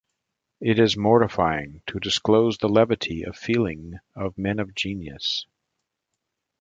It is mortifying to disclose the levity of feeling of men of genius.